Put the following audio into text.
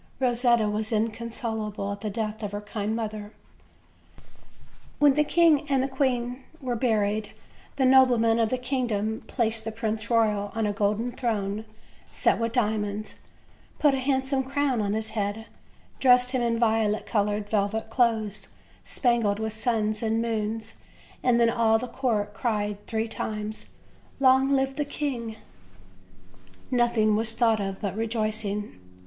Rosetta was inconsolable at the death of her kind mother. When the king and queen were buried the noblemen of the kingdom placed the Prince Royal on a golden throne set with diamonds, put a handsome crown on his head, dressed him in violet colored velvet clothes spangled with suns and moons, and then all the court cried three times: "Long live the king!" Nothing was thought of but rejoicing.